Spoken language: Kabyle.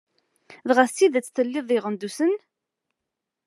Dɣa s tidett telliḍ di Iɣendusen?